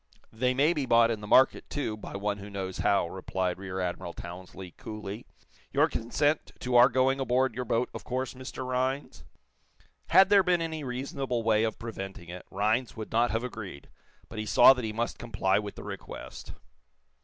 "They may be bought in the market, too, by one who knows how," replied Rear Admiral Townsley, coolly. "You consent to our going aboard your boat, of course, Mr. Rhinds?" Had there been any reasonable way of preventing it, Rhinds would not have agreed, but he saw that he must comply with the request.